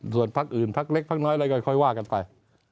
ส่วนภาคอื่นภาคเล็กภาคน้อยอะไรก็ค่อยว่ากันไป